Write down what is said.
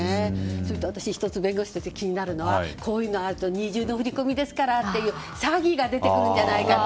そして、私弁護士として気になるのはこういうのがあると二重の振り込みですからという詐欺が出てくるんじゃないかと。